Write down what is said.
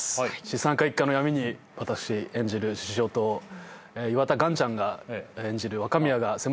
資産家一家の闇に私演じる獅子雄と岩田岩ちゃんが演じる若宮が迫ります。